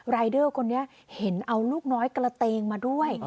รายเดอร์คนนี้เห็นเอาลูกน้อยกระเตงมาด้วย